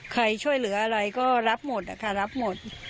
ใครช่วยเหลืออะไรก็รับหมดนะคะรับหมด